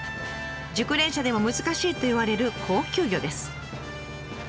熟練者でも難しいといわれる高級魚です。